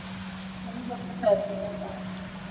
Unaweza kupata watu wengi